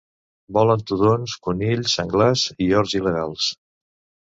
Volen tudons, conills, senglars i horts il·legals.